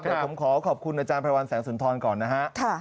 เดี๋ยวผมขอขอบคุณอาจารย์พระวันแสงสุนทรก่อนนะฮะ